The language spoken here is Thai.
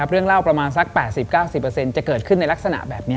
เรื่องเล่า๘๐๙๐จะขึ้นในลักษณะแบบนี้